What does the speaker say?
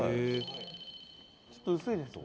「ちょっと薄いですよね」